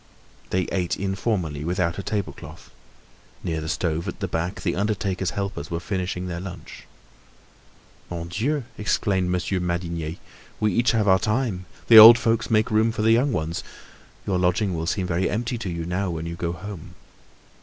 They ate informally, without a tablecloth. Near the stove at the back the undertaker's helpers were finishing their lunch. "Mon Dieu!" exclaimed Monsieur Madinier, "we each have our time. The old folks make room for the young ones. Your lodging will seem very empty to you now when you go home."